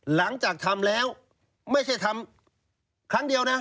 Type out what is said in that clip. หลังจากทำแล้วไม่ใช่ทำครั้งเดียวนะ